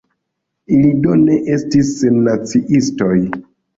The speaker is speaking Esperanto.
Ili do ne estis sennaciistoj.